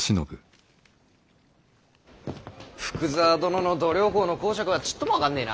福沢殿の度量衡の講釈はちっとも分かんねぇな。